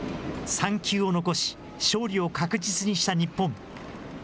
３球を残し、勝利を確実にした日本。